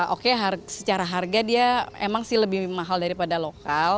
oke secara harga dia emang sih lebih mahal daripada lokal